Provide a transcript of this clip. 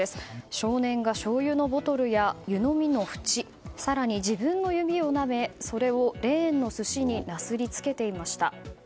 少年がしょうゆのボトルや湯呑みのふち更に自分の指をなめそれを、レーンの寿司になすり付けていました。